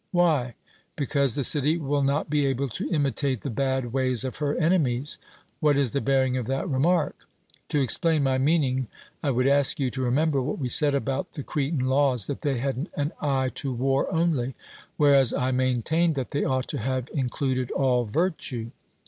'Why?' Because the city will not be able to imitate the bad ways of her enemies. 'What is the bearing of that remark?' To explain my meaning, I would ask you to remember what we said about the Cretan laws, that they had an eye to war only; whereas I maintained that they ought to have included all virtue.